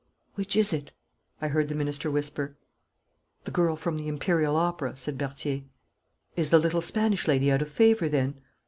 'Which is it?' I heard the minister whisper. 'The girl from the Imperial Opera,' said Berthier. 'Is the little Spanish lady out of favour then?'